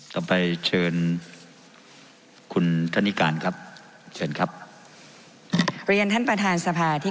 ต่อไปเชิญคุณธนิการครับเชิญครับเรียนท่านประธานสภาที่